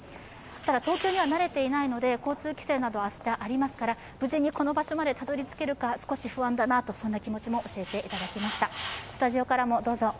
ただ、東京に離れていないので、交通規制など、明日ありますから無事にこの場所までたどり着けるか、少し不安だなと、そんな気持ちを少し教えていただきました。